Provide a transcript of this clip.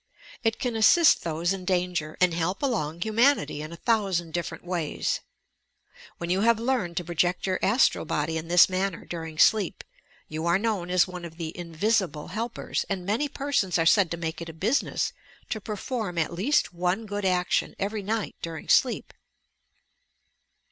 It can assist those in danger, and help along humanity in a thousand different ways. When you have learned to project your astral body in this manner during sleep, you are known as one of the "Invisible Helpers" and many persons are said to make it a business to perform at least one good action every night, during sleep.